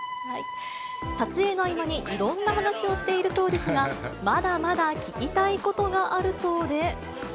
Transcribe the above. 撮影の合間にいろんな話をしているそうですが、まだまだ聞きたいことがあるそうで。